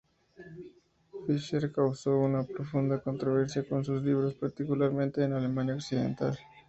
Fischer causó una profunda controversia con sus libros, particularmente en Alemania Occidental.